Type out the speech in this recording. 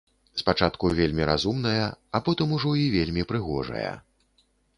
Спачатку вельмі разумная, а потым ужо і вельмі прыгожая.